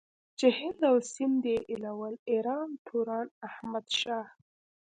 چې هند او سندھ ئې ايلول ايران توران احمد شاه